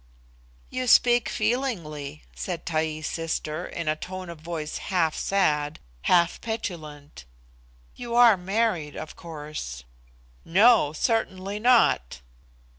"You speak feelingly," said Taee's sister, in a tone of voice half sad, half petulant. "You are married, of course." "No certainly not."